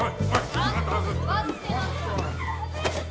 ちゃんと座ってなさい。